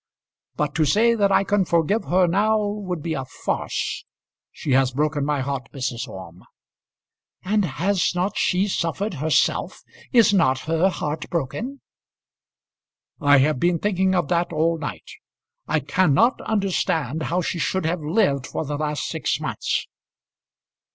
But to say that I can forgive her now would be a farce. She has broken my heart, Mrs. Orme." "And has not she suffered herself? Is not her heart broken?" "I have been thinking of that all night. I cannot understand how she should have lived for the last six months.